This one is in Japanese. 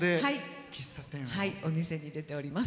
お店に出ております。